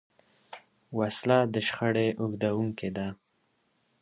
وسله د شخړې اوږدوونکې ده